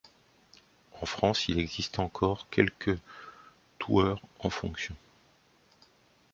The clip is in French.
En France il existe encore quelques toueurs en fonction.